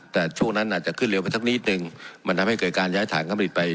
แต่ช่วงนั้นอาจจะขึ้นเร็วไปสักนิดนึงมันทำให้เกิดการย้ายฐานการผลิตไป